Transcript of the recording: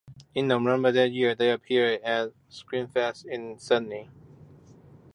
In November that year they appeared at Screamfest in Sydney.